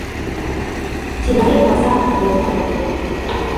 Kinyami kwa Sandi mvumba na Rugereka